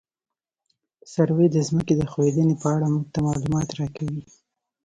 سروې د ځمکې د ښوېدنې په اړه موږ ته معلومات راکوي